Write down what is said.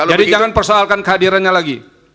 jadi jangan persoalkan kehadirannya lagi